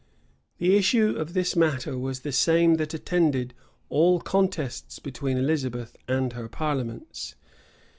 [*] The issue of this matter was the same that attended all contests between Elizabeth and her parliaments.